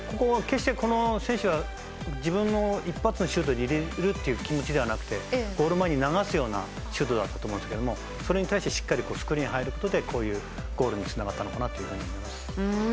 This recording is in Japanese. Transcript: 決してこの選手は自分の一発のシュートで入れるという気持ちではなくてゴール前に流すシュートだったと思うんですがそれに対してしっかりスクリーンを入ることでこういうゴールにつながったのかなと思います。